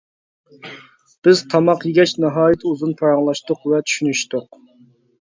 بىز تاماق يېگەچ ناھايىتى ئۇزۇن پاراڭلاشتۇق ۋە چۈشىنىشتۇق.